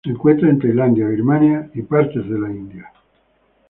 Se encuentra en Tailandia, Birmania y partes de la India.